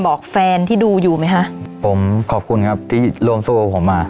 บอกแฟนที่ดูอยู่ไหมคะผมขอบคุณครับที่ร่วมสู้กับผมมา